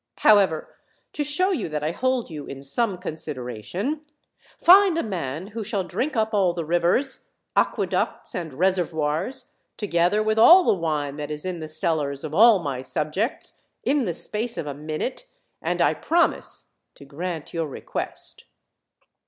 However, to show you that I hold you in some consideration, find a man who shall drink up all the rivers, aqueducts, and reser voirs, together with all the wine that is in the cellars of all my subjects, in the space of a minute, and I promise to grant your request."